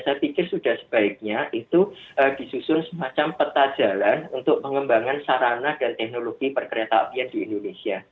saya pikir sudah sebaiknya itu disusun semacam peta jalan untuk pengembangan sarana dan teknologi perkereta apian di indonesia